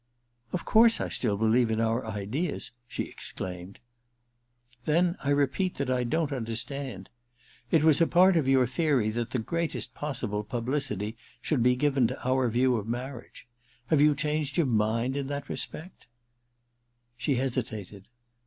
* Of course I still believe in our ideas !' she exclaimed. * Then I repeat that I don*t understand. It was a part of your theory that the greatest possible publicity should be given to our view of marriage. Have you changed your mind in that respect ?' She hesitated.